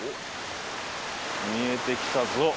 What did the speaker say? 見えてきたぞ。